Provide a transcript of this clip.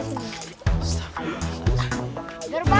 kok di ambil